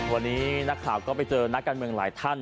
วันนี้นักข่าวก็ไปเจอนักการเมืองหลายท่าน